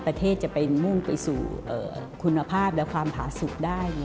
ประเทศจะไปมุ่งไปสู่คุณภาพและความผาสุขได้